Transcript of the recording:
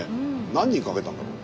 何人かけたんだろう？